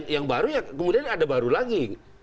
yang baru ya kemudian ada baru lagi